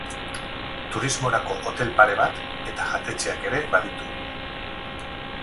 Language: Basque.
Turismorako hotel pare bat eta jatetxeak ere baditu.